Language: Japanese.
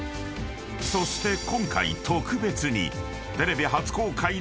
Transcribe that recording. ［そして今回特別に］